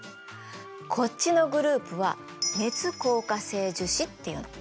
こっちのグループは熱硬化性樹脂っていうの。